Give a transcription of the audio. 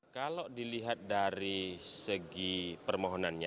kalau dilihat dari segi permohonannya